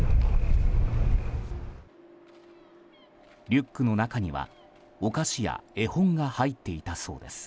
リュックの中にはお菓子や絵本が入っていたそうです。